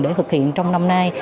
để thực hiện trong năm nay